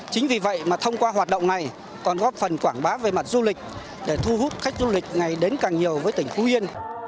chính vì vậy mà thông qua hoạt động này còn góp phần quảng bá về mặt du lịch để thu hút khách du lịch ngày đến càng nhiều với tỉnh phú yên